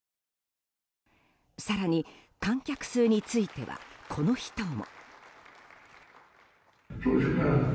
更に、観客数についてはこの人も。